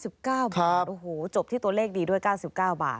๒๕๗๓๙๙๙บาทโอ้โฮจบที่ตัวเลขดีด้วย๙๙บาท